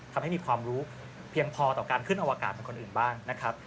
ทำให้มีความรู้เพียงพอต่อการขึ้นอวกาศของคนอื่นบ้างนะครับ